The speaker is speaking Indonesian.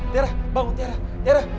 tiara bangun tiara